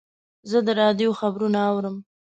زه د راډیو خبرونه اورم.